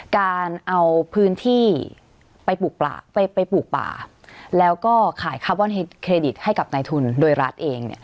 การเอาพื้นที่ไปปลูกป่าไปปลูกป่าแล้วก็ขายคาร์บอนเครดิตให้กับนายทุนโดยรัฐเอง